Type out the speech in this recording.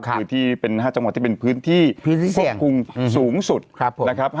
คือที่เป็น๕จังหวัดที่เป็นพื้นที่ควบคุมสูงสุดนะครับ